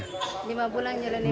lima bulan sudah enam bulan